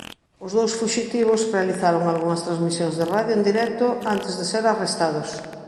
Os dous fuxitivos realizaron algunhas transmisións de radio en directo antes de ser arrestados.